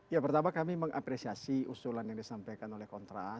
ya pertama kami mengapresiasi usulan yang disampaikan oleh kontras